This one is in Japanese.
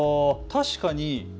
確かに。